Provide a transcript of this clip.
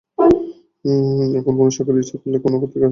এখন কোনো সরকার ইচ্ছা করলেই কোনো পত্রিকার প্রকাশনা বন্ধ করতে পারবে না।